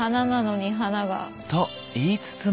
と言いつつも。